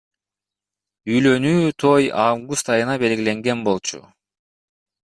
Үйлөнүү той август айына белгиленген болчу.